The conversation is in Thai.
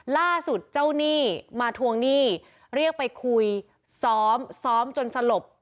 ล่าสุดเจ้าหนี้มาทวงหนี้เรียกไปคุยซ้อมซ้อมจนสลบ